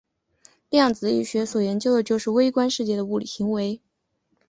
量子力学所研究的就是微观世界的物理行为。